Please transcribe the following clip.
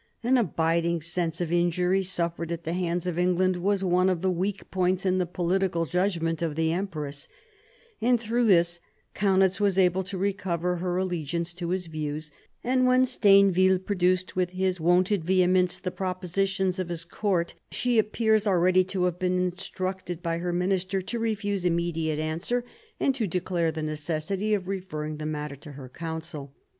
An abiding sense of injury suffered at the hands of England was one of the weak points in the political judgment of the empress ; and through this Kaunitz was able to recover her allegiance to his views, and when Stainville produced, with his wonted vehemence, the propositions of his court, she appears already to have been instructed by her minister to refuse immediate answer, and to declare the necessity of referring the matter to her council.